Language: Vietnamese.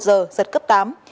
di chuyển theo hướng dẫn